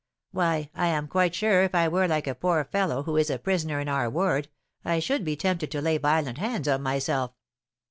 "Why, I am quite sure if I were like a poor fellow who is a prisoner in our ward, I should be tempted to lay violent hands on myself.